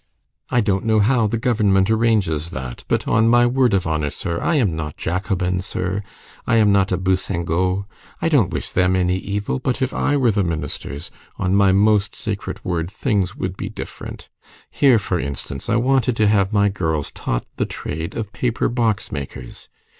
I don't know how the government arranges that, but, on my word of honor, sir, I am not Jacobin, sir, I am not a bousingot.30 I don't wish them any evil, but if I were the ministers, on my most sacred word, things would be different. Here, for instance, I wanted to have my girls taught the trade of paper box makers.